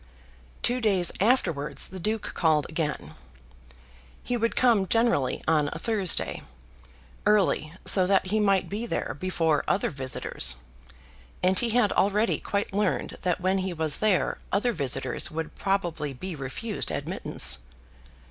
Two days afterwards the Duke called again. He would come generally on a Thursday, early, so that he might be there before other visitors; and he had already quite learned that when he was there other visitors would probably be refused admittance.